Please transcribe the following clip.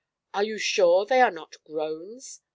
"Are you sure they are not groans?"